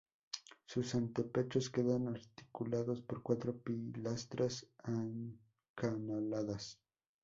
Los antepechos quedan articulados por cuatro pilastras acanaladas.